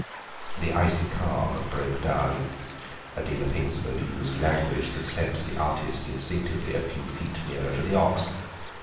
The icy calm broke down; Adela Pingsford used language that sent the artist instinctively a few feet nearer to the ox.